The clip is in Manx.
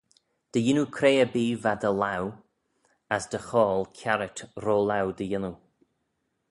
Dy yannoo cre-erbee va dty laue as dty choyrle kiarit ro-laue dy yannoo.